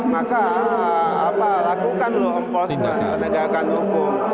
maka lakukan lomposnya penegakan hukum